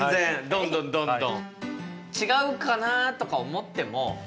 どんどんどんどん。